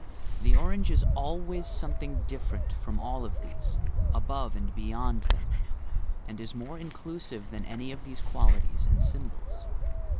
The orange is always something different from all of these, above and beyond them, and is more inclusive than any of these qualities and symbols.